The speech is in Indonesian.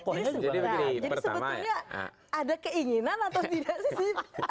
jadi sebetulnya ada keinginan atau tidak sih